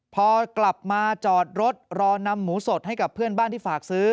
พอกลับมาจอดรถรอนำหมูสดให้กับเพื่อนบ้านที่ฝากซื้อ